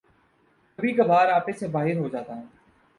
کبھی کبھار آپے سے باہر ہو جاتا ہوں